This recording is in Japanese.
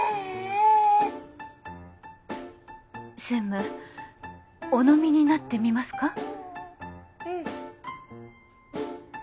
専務お飲みになってみますか？